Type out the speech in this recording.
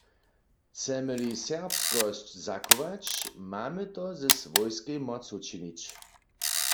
Chcemy-li serbskosć zachować, mamy to ze swójskej mocu činić.